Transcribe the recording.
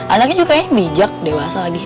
anaknya juga kayaknya bijak dewasa lagi